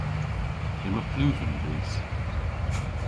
Yma pluven dhis.